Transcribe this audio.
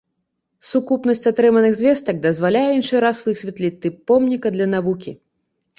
Сукупнасць атрыманых звестак дазваляе іншы раз высветліць тып помніка для навукі.